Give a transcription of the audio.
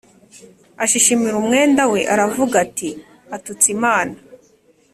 ashishimura umwenda we aravuga ati atutse Imana